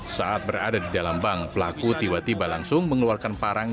saat berada di dalam bank pelaku tiba tiba langsung mengeluarkan parang